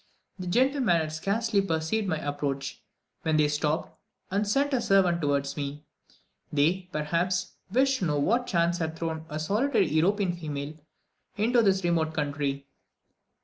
The gentlemen had scarcely perceived my approach, when they stopped, and sent a servant towards me; they, perhaps, wished to know what chance had thrown a solitary European female into this remote country.